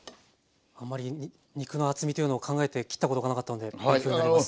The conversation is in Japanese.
あんまり肉の厚みというのを考えて切ったことがなかったので勉強になります。